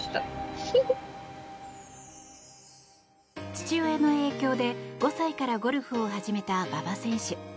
父親の影響で、５歳からゴルフを始めた馬場選手。